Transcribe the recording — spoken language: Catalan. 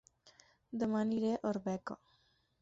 Dema aniré a Arbeca